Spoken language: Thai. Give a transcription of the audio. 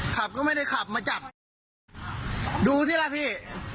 ขับก็ไม่ได้ขับมาจับดูสิล่ะพี่